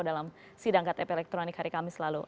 dalam sidang ktp elektronik hari kamis lalu